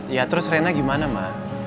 ya terus rena gimana ma